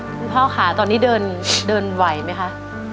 คุณพ่อค่ะตอนนี้เดินไหวไหมคะ